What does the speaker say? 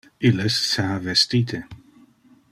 Illes se ha vestite.